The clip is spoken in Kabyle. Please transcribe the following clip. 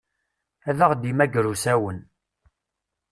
Ad aɣ-d-immager usawen.